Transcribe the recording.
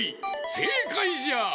せいかいじゃ！